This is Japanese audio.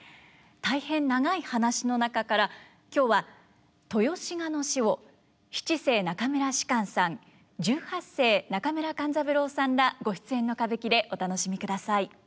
大変長い話の中から今日は「豊志賀の死」を七世中村芝翫さん十八世中村勘三郎さんらご出演の歌舞伎でお楽しみください。